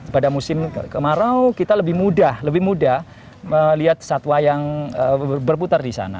pada musim kemarau kita lebih mudah lebih mudah melihat satwa yang berputar di sana